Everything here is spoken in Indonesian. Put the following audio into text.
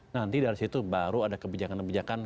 nanti dari situ baru ada kebijakan kebijakan